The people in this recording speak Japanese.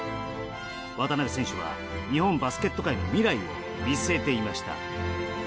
渡邊選手は日本バスケット界の未来を見据えていました。